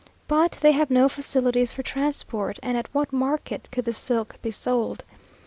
But they have no facilities for transport, and at what market could the silk be sold?